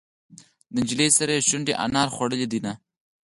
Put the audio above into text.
د نجلۍ سرې شونډې انار خوړلې دينهه.